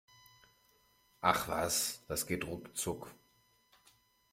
Ach was, das geht ruckzuck!